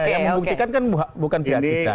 yang membuktikan kan bukan pihak kita